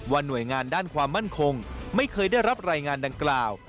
หน่วยงานด้านความมั่นคงไม่เคยได้รับรายงานดังกล่าว